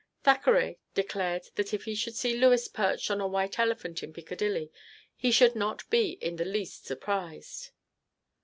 Thackeray declared that if he should see Lewes perched on a white elephant in Piccadilly he should not be in the least surprised.